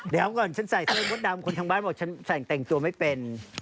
เดี๋ยวก่อนฉันใส่เสื้อมดดำคนทางบ้านบอกฉันแต่งตัวไม่เป็น